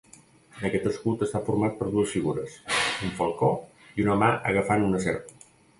Aquest escut està format per dues figures: un falcó i una mà agafant una serp.